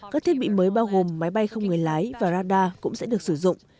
các thiết bị mới bao gồm máy bay không người lái và radar cũng sẽ được sử dụng